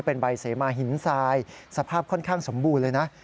เป็นใบเสมาหินทรายสภาพค่อนข้างสมบูรณ์เลยนะ